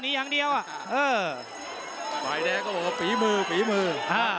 ไฟล์แดงก็บอกว่าฟีมือฟีมือ